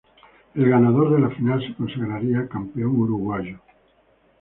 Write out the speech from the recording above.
El ganador de la final se consagraría campeón uruguayo.